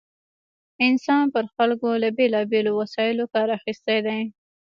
انسان پر خلکو له بېلا بېلو وسایلو کار اخیستی دی.